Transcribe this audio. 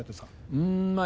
うんまあ